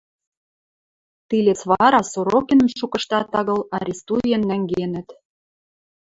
Тилец вара Сорокиным шукыштат агыл арестуен нӓнгенӹт.